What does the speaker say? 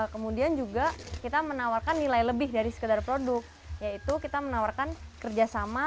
kemudian juga kita menawarkan nilai lebih dari sekedar produk yaitu kita menawarkan kerjasama